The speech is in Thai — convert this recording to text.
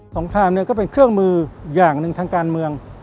งครามเนี่ยก็เป็นเครื่องมืออย่างหนึ่งทางการเมือง